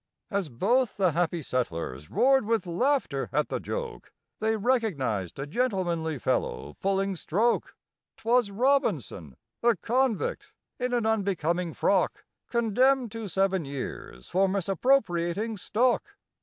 As both the happy settlers roared with laughter at the joke, They recognized a gentlemanly fellow pulling stroke: 'Twas ROBINSON—a convict, in an unbecoming frock! Condemned to seven years for misappropriating stock!!!